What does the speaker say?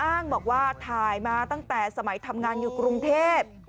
อ้างบอกว่าถ่ายมาตั้งแต่สมัยทำงานอยู่กรุงเทพ